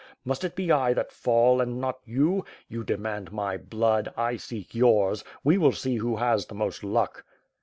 Must it be I that fall, and not you? You demand my blood, I seek yours; we will see who has the most luck."